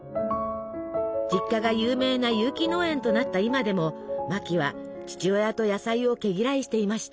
実家が有名な有機農園となった今でもマキは父親と野菜を毛嫌いしていました。